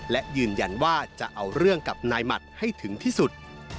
และยืนยันว่าจะเอาเรื่องกับนายหมัดให้ถึงที่สุด